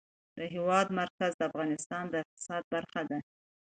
د هېواد مرکز د افغانستان د اقتصاد برخه ده.